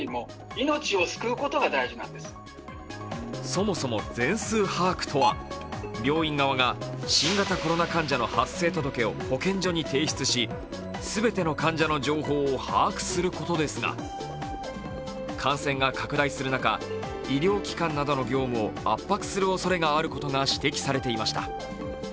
そもそも全数把握とは病院側が新型コロナ患者の発生届を保健所に提出し、全ての患者の情報を把握することですが、感染が拡大する中、医療機関などの業務を圧迫するおそれがあることが指摘されていました。